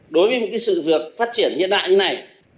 với một sự vượt phát triển hiện đại như này